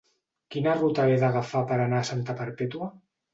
Quina ruta he d'agafar per anar a Santa Perpètua?